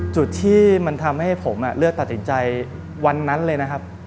จุดที่มันทำให้ผมเลือกตัดสินใจวันนั้นเลยนะครับ